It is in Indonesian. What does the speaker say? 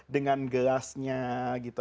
dengan gelasnya gitu